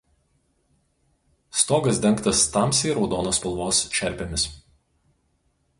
Stogas dengtas tamsiai raudonos spalvos čerpėmis.